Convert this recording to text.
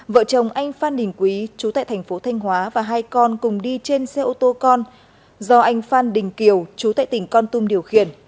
vợ chồng anh phan đình quý chú tại thành phố thanh hóa và hai con cùng đi trên xe ô tô con do anh phan đình kiều chú tại tỉnh con tum điều khiển